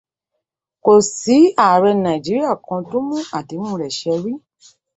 Kò sí ààrẹ Nàìjíríà kan tó mú àdéhù rẹ̀ ṣẹ rí.